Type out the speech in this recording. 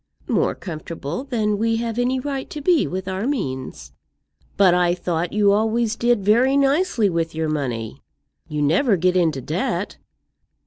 "More comfortable than we have any right to be with our means." "But I thought you always did very nicely with your money. You never get into debt."